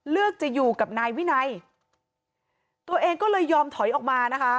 จะอยู่กับนายวินัยตัวเองก็เลยยอมถอยออกมานะคะ